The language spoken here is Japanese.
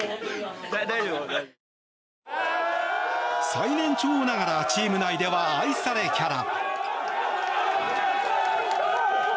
最年長ながらチーム内では愛されキャラ。